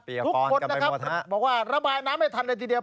ทุกคนนะครับบอกว่าระบายน้ำไม่ทันเลยทีเดียว